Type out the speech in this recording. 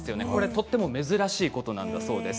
とても珍しいことなんだそうです。